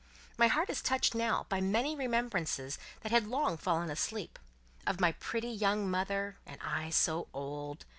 My heart is touched now, by many remembrances that had long fallen asleep, of my pretty young mother (and I so old!)